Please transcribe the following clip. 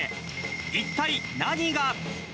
一体何が。